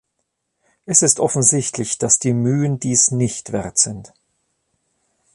Es ist offensichtlich, dass die Mühen dies nicht wert sind.